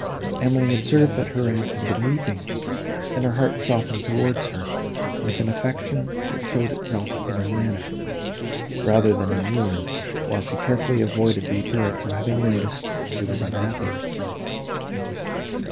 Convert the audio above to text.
Emily observed that her aunt had been weeping, and her heart softened towards her, with an affection, that showed itself in her manner, rather than in words, while she carefully avoided the appearance of having noticed, that she was unhappy.